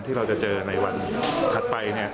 ที่เราจะเจอในวันถัดไป